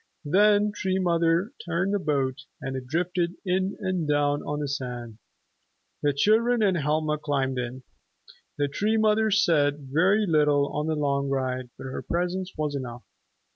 Then Tree Mother turned the boat, and it drifted in and down on the sand. The children and Helma climbed in. The Tree Mother said very little on the long ride, but her presence was enough.